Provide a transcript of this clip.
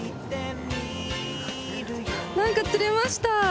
何か釣れました。